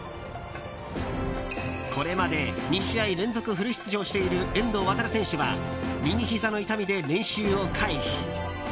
これまで２試合連続フル出場している遠藤航選手は右ひざの痛みで練習を回避。